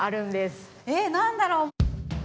えっ何だろう？